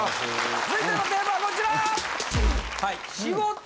続いてのテーマはこちら。